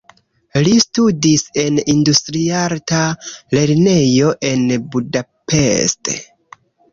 Li studis en industriarta lernejo en Budapest.